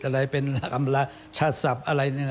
อะไรเป็นคำลาชาติศัพท์อะไรนี่